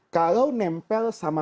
kalau nempel sama